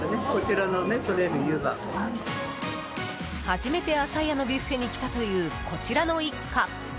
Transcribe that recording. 初めてあさやのビュッフェに来たという、こちらの一家。